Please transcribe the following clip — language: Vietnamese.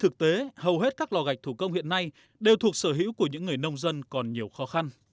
các lò gạch thủ công hiện nay đều thuộc sở hữu của những người nông dân còn nhiều khó khăn